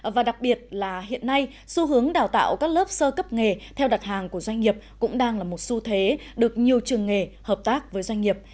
và đặc biệt là hiện nay xu hướng đào tạo các lớp sơ cấp nghề theo đặt hàng của doanh nghiệp cũng đang là một xu thế được nhiều trường nghề hợp tác với doanh nghiệp